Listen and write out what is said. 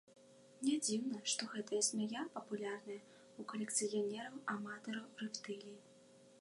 Не дзіўна, што гэтая змяя папулярная ў калекцыянераў-аматараў рэптылій.